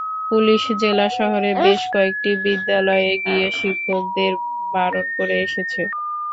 Police জেলা শহরের বেশ কয়েকটি বিদ্যালয়ে গিয়ে শিক্ষকদের বারণ করে এসেছে।